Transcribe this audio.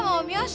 aguasin dia saja